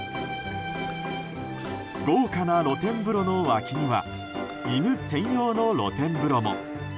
豪華な露天風呂の脇には犬専用の露天風呂も。